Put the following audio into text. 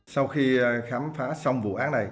sau khi khám phá xong vụ án này